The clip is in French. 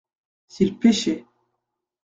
S’il pêchait.